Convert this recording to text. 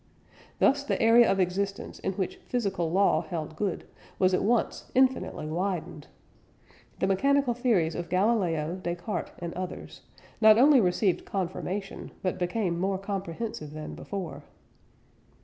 Thus the area of existence in which physical law held good was at once infinitely widened. The mechanical theories of Galileo, Descartes, and others, not only received confirmation, but became more comprehensive than before.